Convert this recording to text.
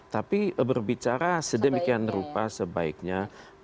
tapi berbicara sedemikian rupa sebaiknya